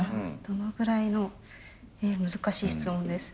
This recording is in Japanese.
どのぐらいの難しい質問ですね。